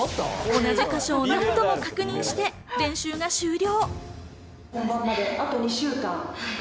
同じ箇所を何度も練習して、練習は終了。